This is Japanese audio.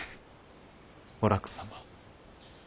お楽様。